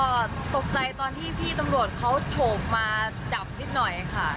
ก็ตกใจตอนที่พี่ตำรวจเขาโฉบมาจับนิดหน่อยค่ะ